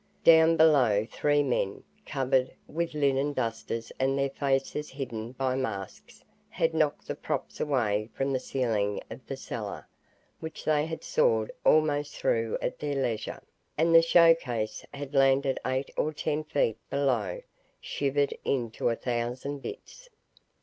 Down below, three men, covered with linen dusters and their faces hidden by masks, had knocked the props away from the ceiling of the cellar, which they had sawed almost through at their leisure, and the show case had landed eight or ten feet below, shivered into a thousand bits.